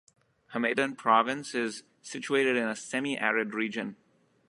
Hamedan province is situated in a semi arid region.